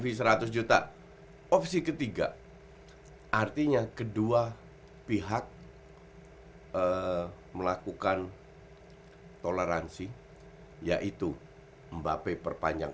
terima kasih seratus juta opsi ketiga artinya kedua pihak melakukan toleransi yaitu mbappe perpanjang